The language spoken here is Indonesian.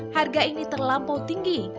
harga ini terlampau tinggi